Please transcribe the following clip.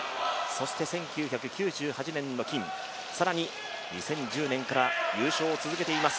そして、１９９８年の金更に２０１０年から優勝を続けています。